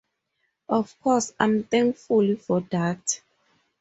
Of course I'm thankful for that.